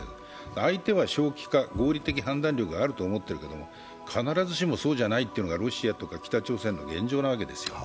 相手は正気か、合理的判断力があると思ってるけど必ずしもそうじゃないというのがロシアとか北朝鮮の現状なわけですよ。